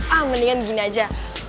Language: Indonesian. ah mendingan gini aja